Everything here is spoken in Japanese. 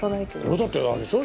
「これだってあれでしょ？」